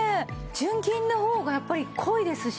純金の方がやっぱり濃いですしね。